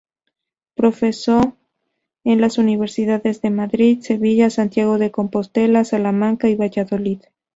Profesó en las Universidades de Madrid, Sevilla, Santiago de Compostela, Salamanca y Valladolid.